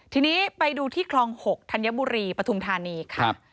ทีนี้ไปดูที่คลอง๖ธัญบุรีปฐุมธานีค่ะ